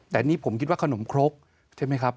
แต่อันนี้ผมคิดว่าขนมครกใช่ไหมครับ